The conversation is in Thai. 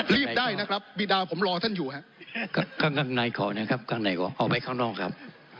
รีบได้นะครับบีดาผมรอท่านอยู่ครับข้างในขอนะครับข้างในขอเอาไว้ข้างนอกครับ